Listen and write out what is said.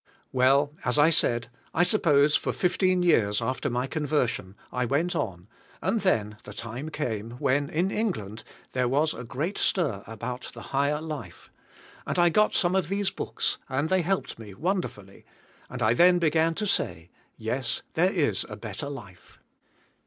Well, as I said, I suppose for fifteen years after 214 i'HK SPIRITUAI, tIFK. my conversion, I went on, and then came the time when, in Kng"land, there was a great stir about the higher life, and I got some of these books and they helped me wonderfully, and I then began to say, "Yes, there is a better life.'